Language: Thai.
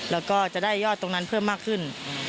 แล้วก็จะได้ยอดตรงนั้นเพิ่มมากขึ้น